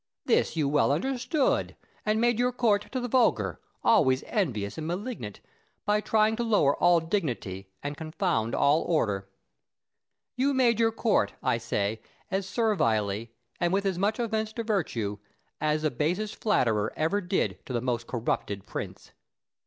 This you well understood, and made your court to the vulgar, always envious and malignant, by trying to lower all dignity and confound all order. You made your court, I say, as servilely, and with as much offence to virtue, as the basest flatterer ever did to the most corrupted prince.